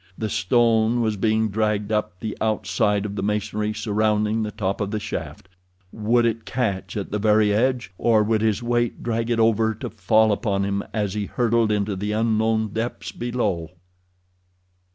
The stone was being dragged up the outside of the masonry surrounding the top of the shaft—would it catch at the very edge, or would his weight drag it over to fall upon him as he hurtled into the unknown depths below?